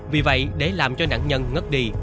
vì vậy để làm cho nạn nhân ngất đi